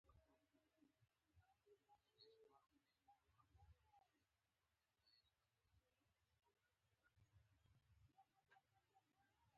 مهمه باریکي: وخت صبر غواړي او صبر وخت غواړي